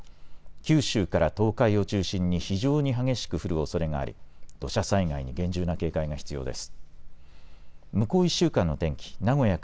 九州から東海を中心に非常に激しく降るおそれがあり土砂災害に厳重な警戒が必要です。